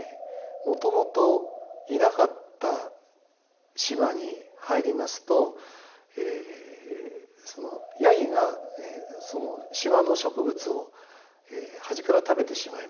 もともといなかった島に入りますとヤギがその島の植物を端から食べてしまいます。